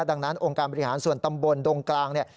ดังนั้นองค์การบริหารส่วนตำบลดงกลางเนี่ย